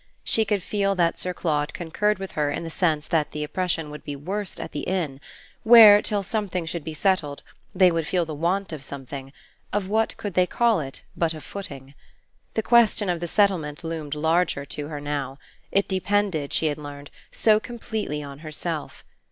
She could feel that Sir Claude concurred with her in the sense that the oppression would be worst at the inn, where, till something should be settled, they would feel the want of something of what could they call it but a footing? The question of the settlement loomed larger to her now: it depended, she had learned, so completely on herself.